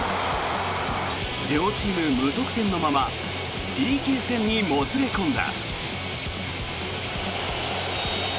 両チーム無得点のままＰＫ戦にもつれ込んだ。